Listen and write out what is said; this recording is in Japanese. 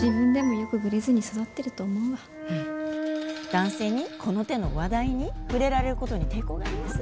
男性にこの手の話題に触れられることに抵抗があります。